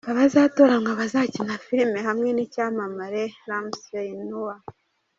Abazatoranwa bazakina filime hamwe n’icyamamare Ramsey Nouah.